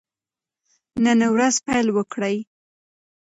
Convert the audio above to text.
نن ورځ پیل وکړئ.